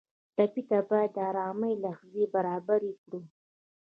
ټپي ته باید د ارامۍ لحظې برابرې کړو.